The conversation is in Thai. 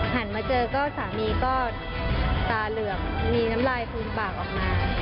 มาเจอก็สามีก็ตาเหลือกมีน้ำลายฟูมปากออกมา